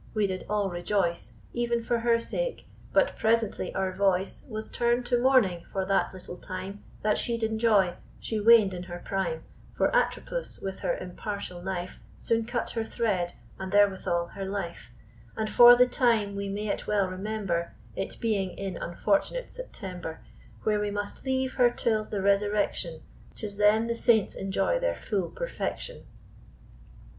We did all rejoice, Even for her sake. But presently our voice Was turn'd to mourning for that little time That she'd enjoy: she waned in her prime, For Atropus, with her impartial knife, Soon cut her thread, and therewithal her life; And for the time we may it well remember, It being in unfortunate September; Where we must leave her till the resurrection. 'Tis then the Saints enjoy their full perfection.